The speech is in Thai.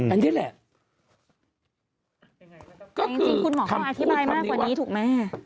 อันนี้แหละคุณหมอเข้าอธิบายมากกว่านี้ถูกไหม